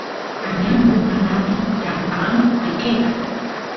añangu mana atin trampaan ayqeyta